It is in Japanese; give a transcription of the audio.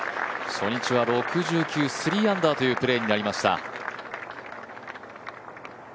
初日は６９、３アンダーというプレーになりました。